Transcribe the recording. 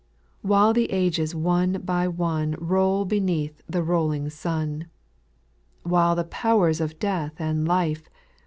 While the ages one by one Roll beneath the rolling sun ;— While the powers of death and life.